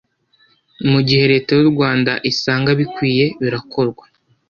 mu gihe leta y’u rwanda isanga bikwiye birakorwa